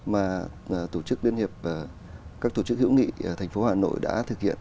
và tổ chức biên hiệp và các tổ chức hữu nghị ở thành phố hà nội đã thực hiện